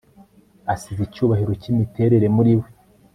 Asize icyubahiro cyimiterere muriwe